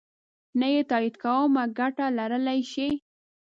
نه یې تایید کومه ګټه لرلای شي.